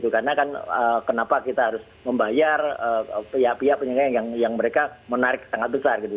karena kan kenapa kita harus membayar pihak pihak yang mereka menarik sangat besar gitu